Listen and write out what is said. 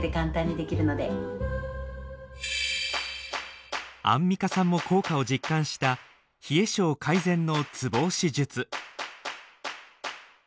何かアンミカさんも効果を実感した冷え症改善のツボ押し術。